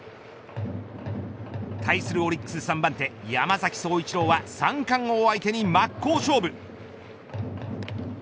対するオリックス３番手山崎颯一郎は三冠王相手に真っ向勝負。